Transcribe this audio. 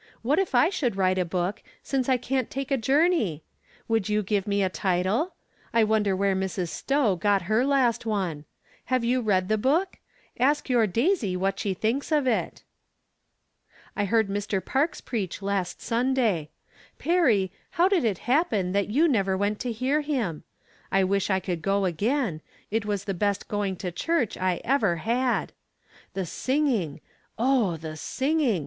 What if I should write a book, siace I can't take a jour ney ! Could you give me a title ? I wonder where Mrs. Stowe got her last one. Have you read the book ? Ask your Daisy what she thinks of it. I heard Mr. Parks preach, last Sunday. Perry, how did it happen that you never went to hear him ? I wish I could go again ; it was the best going to church I ever had. The singing ! oh, the singing !